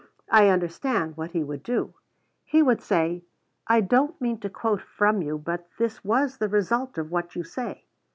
I understand what he would do. He would say, "I don't mean to quote from you, but this was the result of what you say."